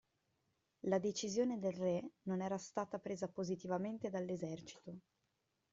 La decisione del Re non era stata presa positivamente dall'esercito.